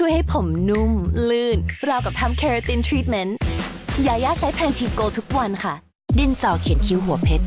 หนูไปก่อนนะคะพ่อ